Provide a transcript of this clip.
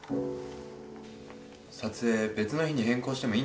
撮影別の日に変更してもいいんだよ？